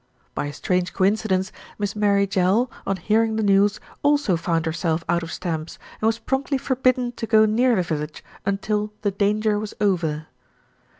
By a strange coincidence, Miss Mary Jell, on hearing the news, also found herself out of stamps, and was promptly forbidden to go near the village until "the danger was over."